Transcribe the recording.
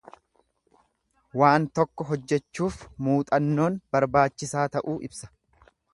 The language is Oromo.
Waan tokko hojjechuuf muuxannoon barbaachisaa ta'uu ibsa.